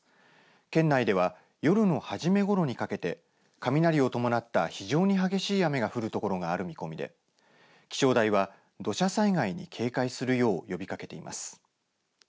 県内には夜の初めごろにかけて雷を伴った非常に激しい雨が降るところがある見込みで気象台は土砂災害に警戒するよう呼びかけています。